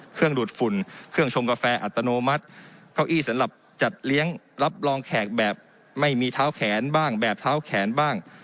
เครื่องดูดฝุ่นเครื่องชมกาแฟอัตโนมัติเข้าอี้สำหรับจัดเลี้ยงรับรองแขกแบบไม่มีเท้าแขนบ้าง